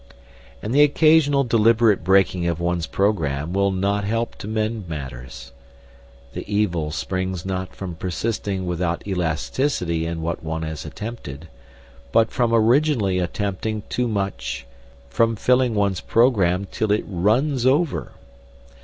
And the occasional deliberate breaking of one's programme will not help to mend matters. The evil springs not from persisting without elasticity in what one has attempted, but from originally attempting too much, from filling one's programme till it runs over.